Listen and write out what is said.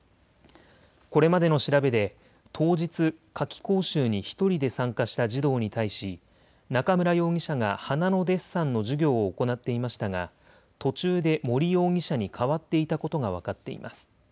これまでの調べで当日、夏期講習に１人で参加した児童に対し中村容疑者が花のデッサンの授業を行っていましたが途中で森容疑者に代わっていたことが分かっています。